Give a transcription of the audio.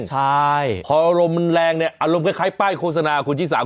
ก็ใช้พอลมมันแรงเนี่ยอารมณ์คล้ายป้ายโคศนาขุนจีซาม